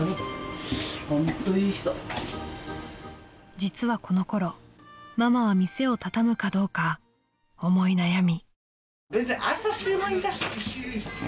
［実はこのころママは店を畳むかどうか思い悩み］